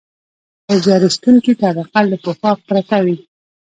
خو زیار ایستونکې طبقه له پوښاک پرته وي